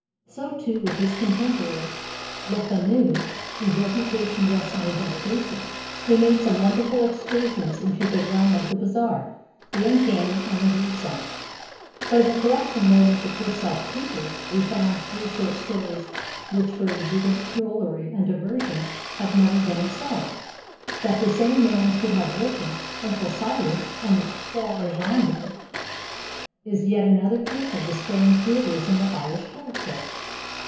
So, too, with his contemporary Le Fanu, whose reputation rests on a double basis. He made some wonderful excursions into the realm of the bizarre, the uncanny, and the gruesome. But in the collection known as The Purcell Papers will be found three short stories which for exuberant drollery and "diversion" have never been excelled. That the same man could have written Uncle Silas and The Quare Gander is yet another proof of the strange dualism of the Irish character.